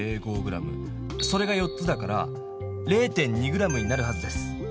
それが４つだから０．２ｇになるはずです。